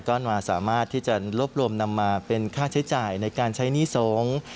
ก็มาสามารถที่จะรวบรวมนำมาเป็นค่าใช้จ่ายในการใช้หนี้สงฆ์